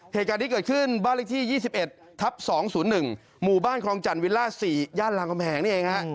เหตุการณ์นี้เกิดขึ้นบ้านเลขที่๒๑ทับ๒๐๑หมู่บ้านคลองจันทวิลล่า๔ย่านรามกำแหงนี่เองฮะ